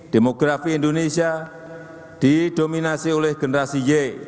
demografi indonesia didominasi oleh generasi y